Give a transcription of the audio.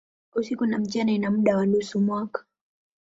Usiku na mchana ina muda wa nusu mwaka.